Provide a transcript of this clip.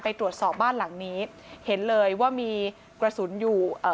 ไปตรวจสอบบ้านหลังนี้เห็นเลยว่ามีกระสุนอยู่เอ่อ